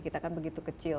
kita kan begitu kecil